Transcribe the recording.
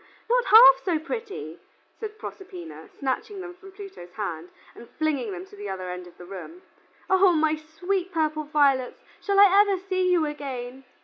not half so pretty," said Proserpina, snatching them from Pluto's hand, and flinging them to the other end of the room. "O my sweet purple violets, shall I ever see you again?"